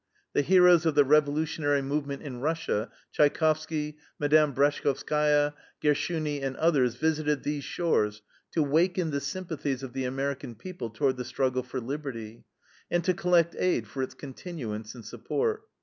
The heroes of the revolutionary movement in Russia, Tchaikovsky, Mme. Breshkovskaia, Gershuni, and others visited these shores to waken the sympathies of the American people toward the struggle for liberty, and to collect aid for its continuance and support.